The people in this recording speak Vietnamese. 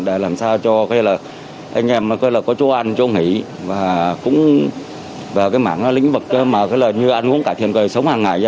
để làm sao cho anh em có chỗ ăn chỗ nghỉ và cũng vào cái mảng lĩnh vực như ăn uống cải thiện sống hàng ngày